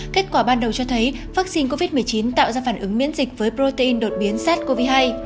kết quả ban đầu cho thấy vaccine covid một mươi chín tạo ra phản ứng miễn dịch với protein đột biến sars cov hai